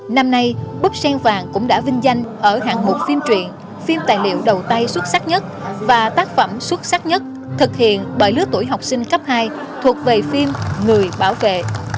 năm nay bức sen vàng cũng đã vinh danh ở hạng mục phim truyện phim tài liệu đầu tay xuất sắc nhất và tác phẩm xuất sắc nhất thực hiện bởi lứa tuổi học sinh cấp hai thuộc về phim người bảo vệ